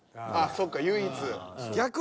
そっか唯一。